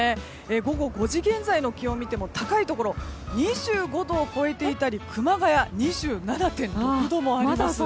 午後５時現在の気温を見ても高いところは２５度を超えていたり熊谷は２７．６度もあります。